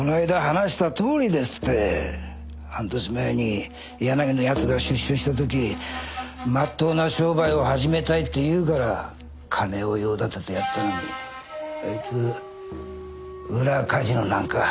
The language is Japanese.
半年前に柳の奴が出所した時まっとうな商売を始めたいって言うから金を用立ててやったのにあいつ裏カジノなんか始めやがって。